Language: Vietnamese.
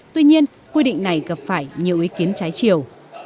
tuy nhiên quy định này gặp phải nhiều ý kiến trái chiều